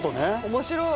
面白い。